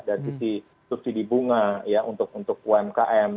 dari sisi subsidi bunga ya untuk umkm